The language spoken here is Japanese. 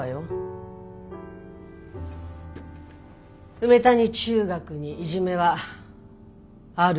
「梅谷中学にいじめはある」